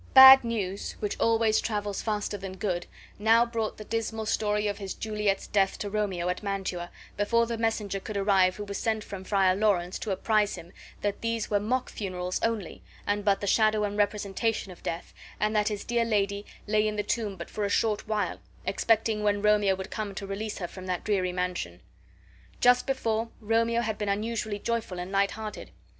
Bad news, which always travels faster than good, now brought the dismal story of his Juliet's death to Romeo, at Mantua, before the messenger could arrive who was sent from Friar Lawrence to apprise him that these were mock funerals only, and but the shadow and representation of death, and that his dear lady lay in the tomb but for a short while, expecting when Romeo would come to release her from that dreary mansion. Just before, Romeo had been unusually joyful and light hearted.